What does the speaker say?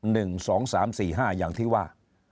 หนึ่งสองสามสี่ห้าอย่างที่ว่า